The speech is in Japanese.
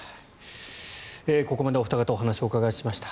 ここまでお二方にお話を伺いました。